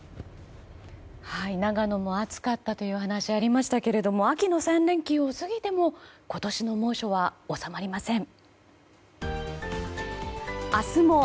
長野も暑かったという話がありましたが秋の３連休を過ぎても今年の猛暑は収まりません。